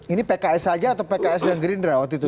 ini pks saja atau pks dan gerindra waktu itu